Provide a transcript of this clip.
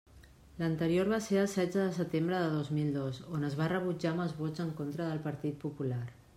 L'anterior va ser el setze el setembre de dos mil dos on es va rebutjar amb els vots en contra del Partit Popular.